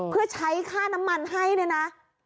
เพื่อใช้ค่าน้ำมันให้เนี่ยนะ